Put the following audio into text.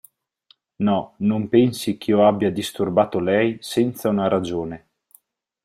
No, non pensi ch'io abbia disturbato lei senza una ragione.